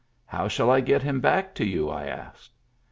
"How shall I get him back to you?" I asked.